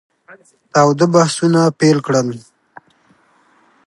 تاوده بحثونه پیل کړل.